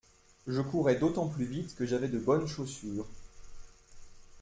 Je courais d’autant plus vite que j’avais de bonnes chaussures.